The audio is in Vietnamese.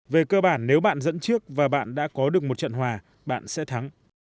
về cơ bản nếu bạn dẫn trước và bạn đã có được một trận hòa bạn sẽ thắng